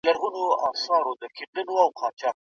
خيار حق پيرودونکي ته ډاډ ورکوي.